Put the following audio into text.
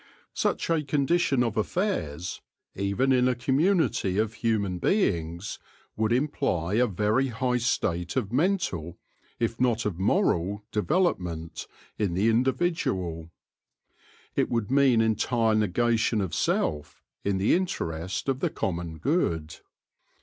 Such a condition of affairs, even in a community of human beings, would imply a very high state of mental, if not of moral, development in the indi vidual. It would mean entire negation of self in the interest of the common good.